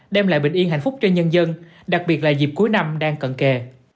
đem lại bình yên hạnh phúc cho nhân dân đặc biệt là dịp cuối năm đang cận kề